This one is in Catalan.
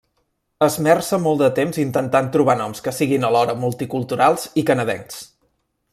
Esmerça molt de temps intentant trobar noms que siguin alhora multiculturals i canadencs.